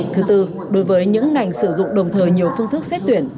thứ tư đối với những ngành sử dụng đồng thời nhiều phương thức xét tuyển